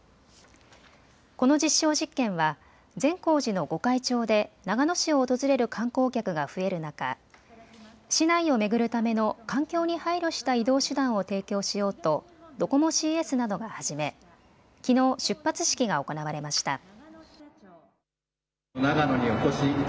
この実証実験は善光寺の御開帳で長野市を訪れる観光客が増える中、市内を巡るための環境に配慮した移動手段を提供しようとドコモＣＳなどが始めきのう出発式が行われました。